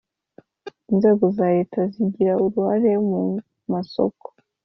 Inzego za leta zigira uruhare mu masoko